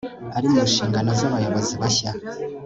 ari munshingano zabayobozi bashya